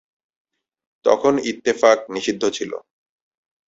তখন ইত্তেফাক নিষিদ্ধ ছিল।